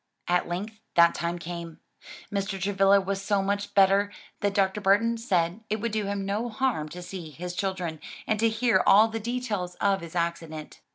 At length that time came. Mr. Travilla was so much better that Dr. Burton said it would do him no harm to see his children, and to hear all the details of his accident.